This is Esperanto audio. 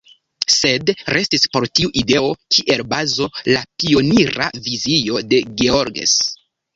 Sed restis por tiu ideo kiel bazo la pionira vizio de Georges.